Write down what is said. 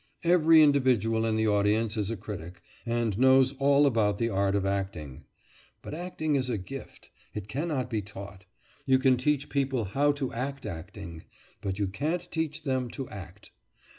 Every individual in the audience is a critic, and knows all about the art of acting. But acting is a gift. It cannot be taught. You can teach people how to act acting but you can't teach them to act.